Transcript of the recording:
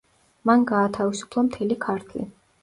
მან გაათავისუფლა მთელი ქართლი.